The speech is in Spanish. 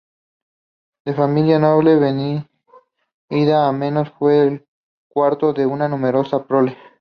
De familia noble venida a menos, fue el cuarto de una numerosa prole.